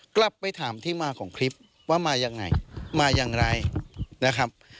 กลับไปถามที่มาของคลิปว่ามายังไงมาอย่างไรนะครับ